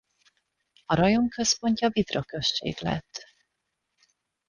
A rajon központja Vidra község lett.